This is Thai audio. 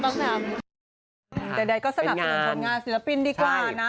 แต่ได้ก็สนับสนุนงานศิลปินดีกว่านะ